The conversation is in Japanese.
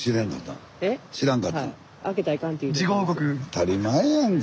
当たり前やんけ。